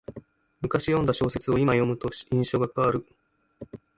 むかし読んだ小説をいま読むと印象が変わる